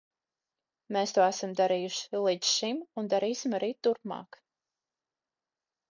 Mēs to esam darījuši līdz šim un darīsim arī turpmāk.